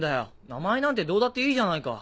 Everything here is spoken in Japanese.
名前なんてどうだっていいじゃないか。